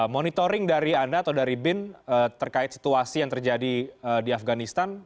monitoring dari anda atau dari bin terkait situasi yang terjadi di afganistan